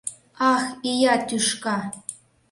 — Ах, ия тӱшка!..